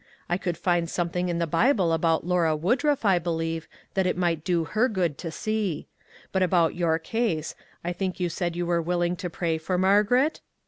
I could find something in the Bible about Lora Woodruff I believe, that it might do her good to see ; but about your case, I think you said you were willing to pray for Margaret